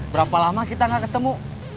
berapa lama kita gak ketemu